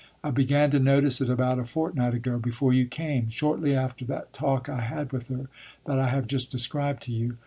I began to notice it about a fortnight ago before you came; shortly after that talk I had with her that I have just described to you.